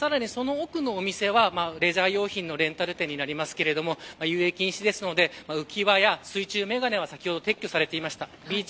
さらにその奥のお店はレジャー用品のレンタル店になりますが遊泳禁止ですので浮輪や水中眼鏡は先ほど撤去されていました。